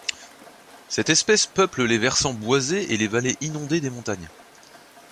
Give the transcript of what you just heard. Cette espèce peuple les versants boisés et les vallées inondées des montagnes.